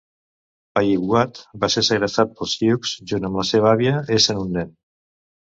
Payipwat va ser segrestat pels sioux junt amb la seva àvia essent un nen.